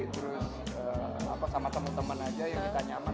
terus sama temen temen aja yang kita nyaman